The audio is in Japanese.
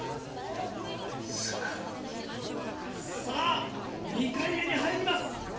さぁ２回目に入ります。